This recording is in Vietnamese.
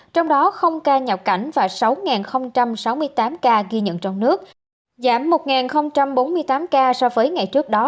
trong đó ca nhập cảnh và sáu sáu mươi tám ca ghi nhận trong nước giảm một bốn mươi tám ca so với ngày trước đó